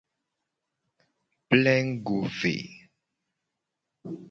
Plengugo ve.